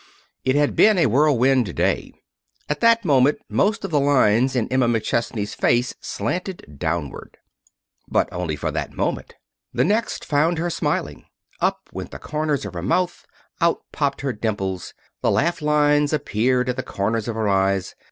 It had been a whirlwind day. At that moment most of the lines in Emma McChesney's face slanted downward. But only for that moment. The next found her smiling. Up went the corners of her mouth! Out popped her dimples! The laugh lines appeared at the corners of her eyes.